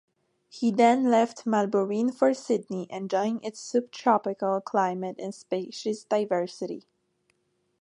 He then left Melbourne for Sydney, enjoying its subtropical climate and species diversity.